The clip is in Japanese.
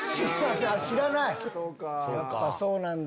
やっぱそうなんだ。